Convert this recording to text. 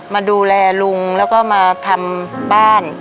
มาดูแลลุงแล้วก็มาทำบ้าน